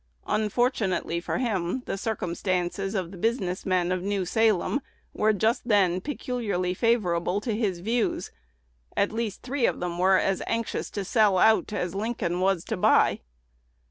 Unfortunately for him, the circumstances of the business men of New Salem were just then peculiarly favorable to his views. At least three of them were as anxious to sell out as Lincoln was to buy.